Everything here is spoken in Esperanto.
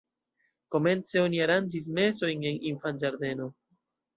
Komence oni aranĝis mesojn en infanĝardeno.